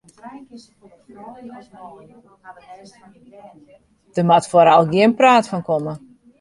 Der moat foaral gjin praat fan komme.